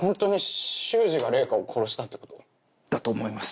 だと思います。